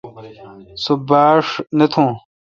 سو باݭ نہ تھوں۔